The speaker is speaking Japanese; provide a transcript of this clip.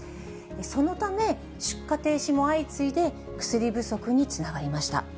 そのため、出荷停止も相次いで、薬不足につながりました。